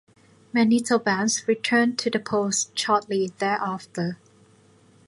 Manitobans returned to the polls shortly thereafter.